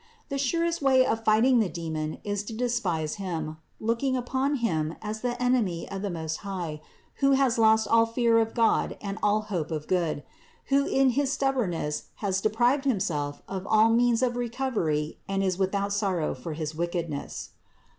The surest way of fighting the demon is to de spise him, looking upon him as the enemy of the Most High, who has lost all fear of God and all hope of good ; who in his stubbornness has deprived himself of all means THE INCARNATION 283 of recovery and is without sorrow for his wickedness.